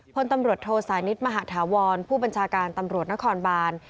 พลตำรวจโทสานิทมหาธาวรผู้บัญชาการตำรวจนครบาน